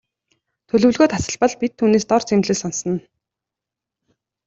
Төлөвлөгөө тасалбал бид түүнээс дор зэмлэл сонсоно.